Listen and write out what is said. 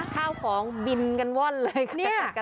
ข้าวของบินกันว่อนเลยกระจาดกระตาย